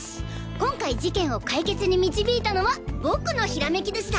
今回事件を解決に導いたのは僕の閃きでした！